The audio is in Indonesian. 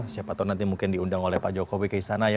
siapa tahu nanti mungkin diundang oleh pak jokowi ke istana ya